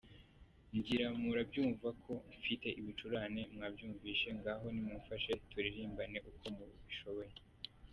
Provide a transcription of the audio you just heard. Ngira ngo murabyumva ko mfite ibicurane, mwamvise? Ngaho nimumfashe turirimbane uko mubishoboye.